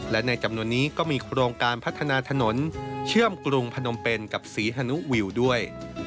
และในจำนวนนี้ก็มีโครงการพัฒนาถนนเชื่อมกรุงพนมเป็นกับศรีฮนุวิวด้วย